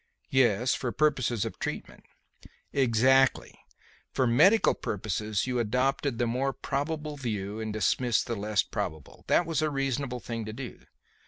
"Yes. For purposes of treatment." "Exactly. For medical purposes you adopted the more probable view and dismissed the less probable. That was the reasonable thing to do.